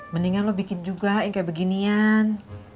mendingan lo bikin juga yang kayak beginian